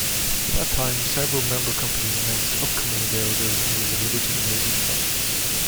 At that time, several member companies announced upcoming availability of Liberty-enabled products.